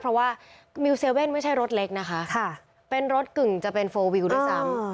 เพราะว่ามิวเซเว่นไม่ใช่รถเล็กนะคะเป็นรถกึ่งจะเป็นโฟลวิวด้วยซ้ำ